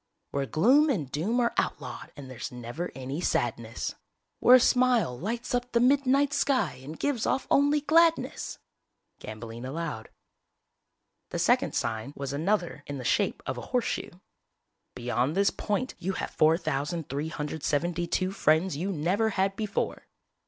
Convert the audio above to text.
Where gloom and doom are outlawed and there's never any sadness. Where a smile lights up the midnight sky and gives off only gladness! (Gambling allowed) The second sign was another in the shape of a horseshoe. BEYOND THIS POINT YOU HAVE 4372 FRIENDS YOU NEVER HAD BEFORE!!!